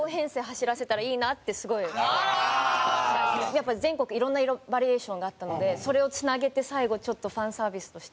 やっぱり全国いろんな色バリエーションがあったのでそれをつなげて最後ちょっとファンサービスとして。